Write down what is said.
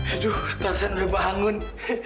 aduh tarzan belum bangun